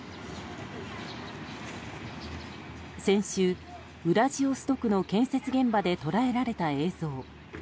先週、ウラジオストクの建設現場で捉えられた映像。